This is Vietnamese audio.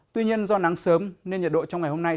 tuy nhiên do nắng sớm nên nhiệt độ trong ngày hôm nay